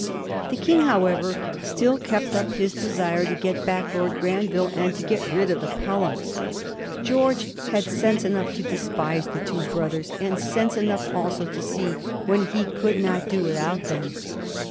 The King, however, still kept up his desire to get back Lord Granville and to get rid of the Pelhams. George had sense enough to despise the two brothers, and sense enough also to see when he could not do without them.